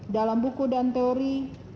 dalam buku dan teori